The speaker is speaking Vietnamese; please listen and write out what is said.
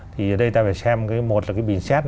thì ở đây ta phải xem cái một là cái bình xét